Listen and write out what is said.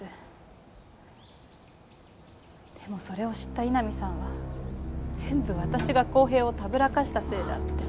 でもそれを知った井波さんは全部私が浩平をたぶらかしたせいだって。